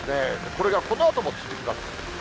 これがこのあとも続きます。